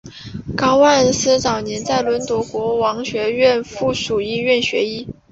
高万斯早年在伦敦国王学院附属医院学医。